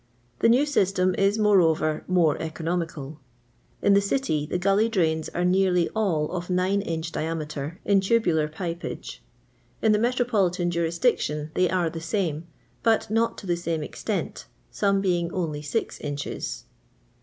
The new system is, moreover, more economical. In the City the gully drains are nearly all of nine inch diameter in tubular pipeage. In the metropolitan jurisdiction they are the same, but not to the same extent, some being only six inches.